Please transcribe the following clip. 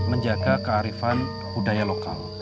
menjaga kearifan budaya lokal